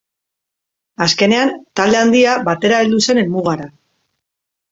Azkenean, talde handia batera heldu zen helmugara.